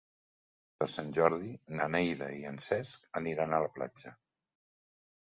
Per Sant Jordi na Neida i en Cesc aniran a la platja.